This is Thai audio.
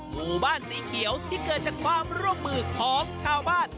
หมู่บ้านสีเขียวที่เกิดจากความร่วมมือของชาวบ้าน